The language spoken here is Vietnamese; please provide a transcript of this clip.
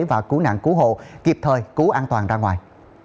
cảnh sát phòng cháy chữa cháy và cứu nạn cứu hộ kịp thời cứu an toàn ra ngoài